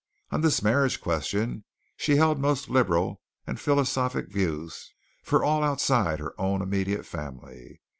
On this marriage question she held most liberal and philosophic views for all outside her own immediate family.